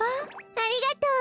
ありがとう！